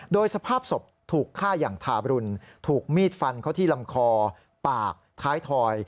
โดยสภาพศพถูกฆ่าอย่างทาบรุนถูกมีดฟันเขาที่ลำคอปากท้ายถอย